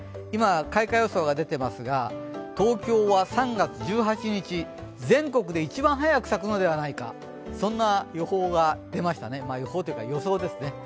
今、開花予想が出ていますが東京は３月１８日、全国で一番早く咲くのではないか、そんな予想が出ました。